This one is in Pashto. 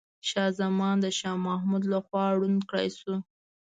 شاه زمان د شاه محمود لخوا ړوند کړاي سو.